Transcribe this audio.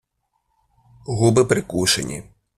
Губи прикушені.